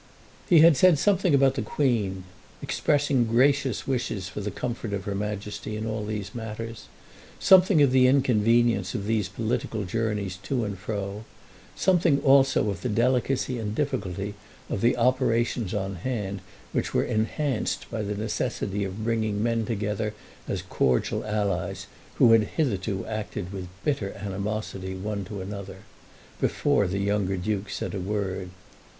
He had said something about the Queen, expressing gracious wishes for the comfort of her Majesty in all these matters, something of the inconvenience of these political journeys to and fro, something also of the delicacy and difficulty of the operations on hand which were enhanced by the necessity of bringing men together as cordial allies who had hitherto acted with bitter animosity one to another, before the younger Duke said a word.